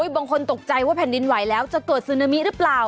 บางคนตกใจว่าแผ่นดินไหวแล้วจะเกิดซึนามิหรือเปล่า